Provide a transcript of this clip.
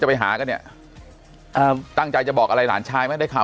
ไปหากันเนี่ยอ่าตั้งใจจะบอกอะไรหลานชายไหมได้ข่าว